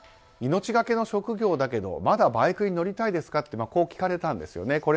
命がけの職業だけどまだバイクに乗りたいんですかとこう聞かれたんですね。